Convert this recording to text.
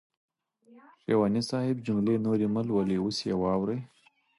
شېواني صاحب جملې نورې مهلولئ اوس يې واورئ.